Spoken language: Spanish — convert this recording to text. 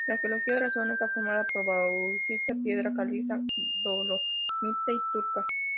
La geología de la zona está formada por bauxita, piedra caliza, dolomita y turba.